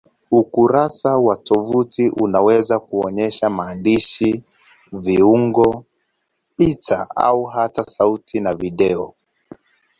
Ukurasa wa tovuti unaweza kuonyesha maandishi, viungo, picha au hata sauti na video.